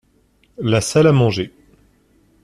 La salle à manger.